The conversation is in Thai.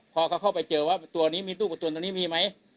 พอเขาเข้าไปเจอว่าตัวนี้มีตู้กระตุ้นตัวนี้มีไหม